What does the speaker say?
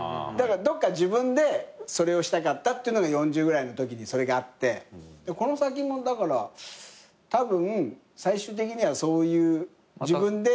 どっか自分でそれをしたかったっていうのが４０ぐらいのときにそれがあってこの先もだからたぶん最終的にはそういう自分で。